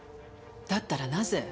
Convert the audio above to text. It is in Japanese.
だったらなぜ？